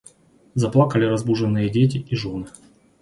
Заплакали разбуженные дети и жены.